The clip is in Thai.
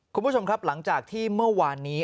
คุณผู้ชมครับหลังจากที่เมื่อวานนี้